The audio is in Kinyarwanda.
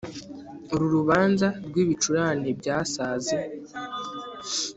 uru rubanza rw'ibicurane byasaze